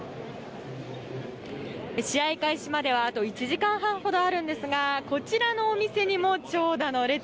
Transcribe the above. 試合開始まではあと１時間半ほどあるんですがこちらのお店にも長蛇の列。